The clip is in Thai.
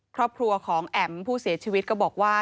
ครอบครัวของแอ๋มผู้เสียชีวิตก็บอกว่า